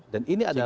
dan ini adalah